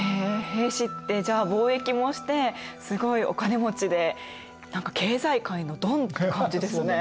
平氏ってじゃあ貿易もしてすごいお金持ちで何か経済界のドンって感じですね。